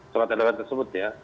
surat edaran tersebut ya